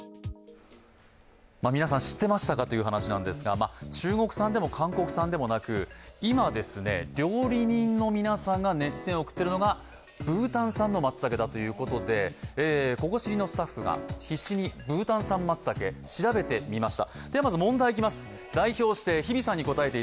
皆さん、知ってましたかという話ですが、中国産でも韓国産でもなく、今、料理人の皆さんが熱視線を送っているのがブータン産の松茸ということで「ココ知り」のスタッフが必死にブータン産松茸、調べてみました。